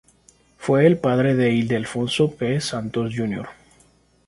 Fue el padre de Ildefonso P. Santos, Jr.